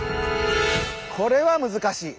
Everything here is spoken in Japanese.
これは難しい。